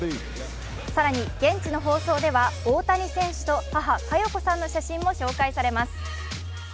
更に、現地の放送では大谷選手と母・加代子さんの写真も紹介されます。